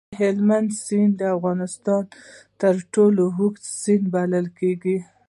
د هلمند سیند د افغانستان تر ټولو اوږد سیند بلل کېږي.